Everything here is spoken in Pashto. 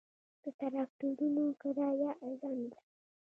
د تراکتورونو کرایه ارزانه ده